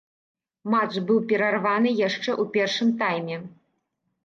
Матч быў перарваны яшчэ ў першым тайме.